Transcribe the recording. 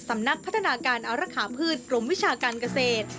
สำนักพัฒนาการอารักษาพืชกรมวิชาการเกษตร